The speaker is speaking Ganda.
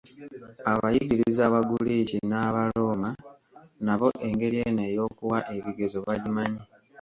Abayigiriza Abaguliiki n'Abalooma nabo engeri eno ey'okuwa ebigezo bagimanyi.